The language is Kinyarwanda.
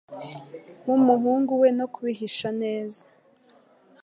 w'umuhungu we no kubihisha neza